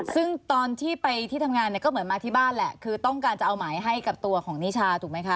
ซึ่งตอนที่ไปที่ทำงานเนี่ยก็เหมือนมาที่บ้านแหละคือต้องการจะเอาหมายให้กับตัวของนิชาถูกไหมคะ